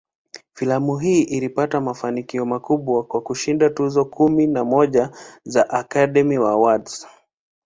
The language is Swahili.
Filamu hii ilipata mafanikio makubwa, kwa kushinda tuzo kumi na moja za "Academy Awards".